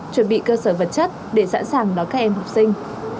chuẩn bị cơ sở vật chất để sẵn sàng đón các em học sinh